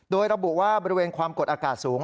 โดยระบุว่าบริเวณความกดอากาศสูง